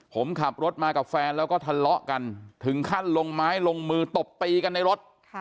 ผมขับรถมากับแฟนแล้วก็ทะเลาะกันถึงขั้นลงไม้ลงมือตบตีกันในรถ